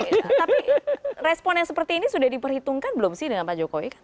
tapi respon yang seperti ini sudah diperhitungkan belum sih dengan pak jokowi